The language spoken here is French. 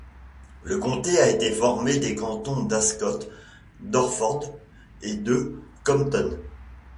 Le comté a été formé des cantons d'Ascot, d'Orford et de Compton.